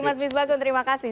mas biswako terima kasih